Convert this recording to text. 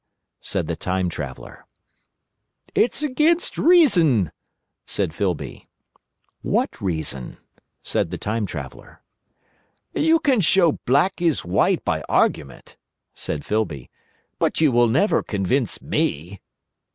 said the Time Traveller. "It's against reason," said Filby. "What reason?" said the Time Traveller. "You can show black is white by argument," said Filby, "but you will never convince me."